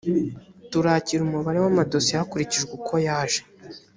turakira umubare w’amadosiye hakurikijwe uko yaje